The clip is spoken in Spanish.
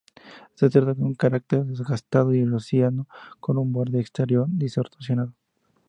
Se trata de un cráter desgastado y erosionado, con un borde exterior distorsionado.